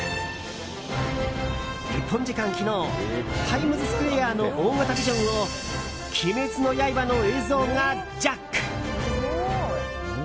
日本時間昨日タイムズスクエアの大型ビジョンを「鬼滅の刃」の映像がジャック。